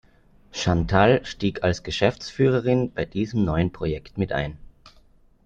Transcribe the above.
Chantal stieg als Geschäftsführerin bei diesem neuen Projekt mit ein.